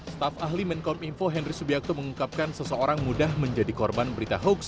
staf ahli menkom info henry subiakto mengungkapkan seseorang mudah menjadi korban berita hoax